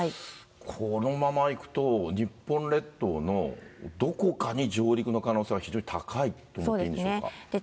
このままいくと、日本列島のどこかに上陸の可能性が非常に高いと思っていいんでしそうですね。